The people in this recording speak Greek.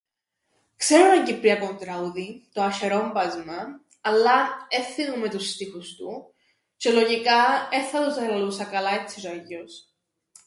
Ξέρω έναν κυπριακόν τραούδιν, το Ασ̆ερόμπασμαν, αλλά εν θθυμούμαι τους στίχους του τžαι λογικά εν θα τους ελαλούσα καλά έτσι τžι αλλιώς.